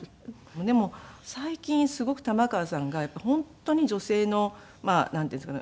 でも最近すごく玉川さんがやっぱり本当に女性のまあなんていうんですかね。